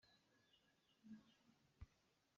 Mileng sakai.